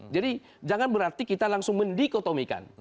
jadi jangan berarti kita langsung mendikotomikan